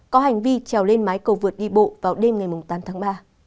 có hành vi trèo lên mái cầu vượt đi bộ vào đêm ngày tám tháng ba